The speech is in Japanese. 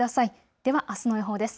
ではあすの予報です。